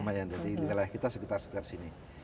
lumayan jadi kita sekitar sini